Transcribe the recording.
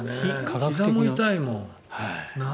ひざも痛いもん。